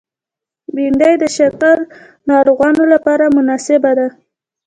بېنډۍ د شکر ناروغانو لپاره مناسبه ده